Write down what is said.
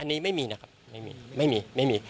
อันนี้ไม่มีนะครับไม่มีไม่มี